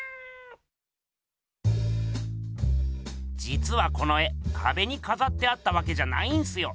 じつはこの絵かべにかざってあったわけじゃないんすよ。